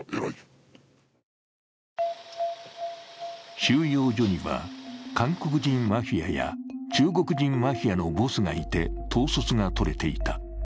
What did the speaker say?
収容所には韓国人マフィアや中国人マフィアのボスがいて統率が取れていた。